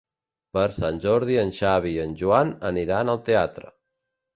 Per Sant Jordi en Xavi i en Joan aniran al teatre.